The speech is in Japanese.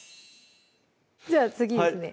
じゃあ次ですね